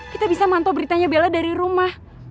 kita bisa mantau beritanya bella dari rumah